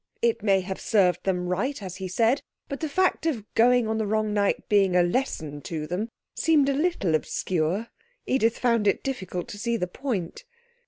It may have served them right (as he said), but the fact of going on the wrong night being a lesson to them seemed a little obscure. Edith found it difficult to see the point.